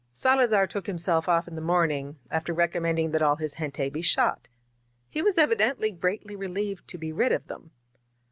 Salazar took himself off in the morning, after recom mending that all his gente be shot; he was evidently greatly relieved to be rid of them.